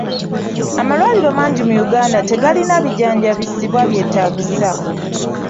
Amalwaliro mangi mu Uganda tegalina bijjanjabisibwa byetaagisa.